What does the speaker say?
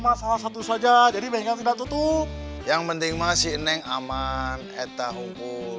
masalah satu saja jadi bengkel tidak tutup yang penting masih neng aman etta hukum